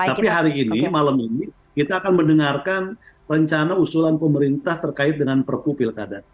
tapi hari ini malam ini kita akan mendengarkan rencana usulan pemerintah terkait dengan perpu pilkada